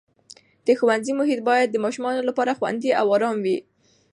د ښوونځي محیط باید د ماشومانو لپاره خوندي او ارام وي.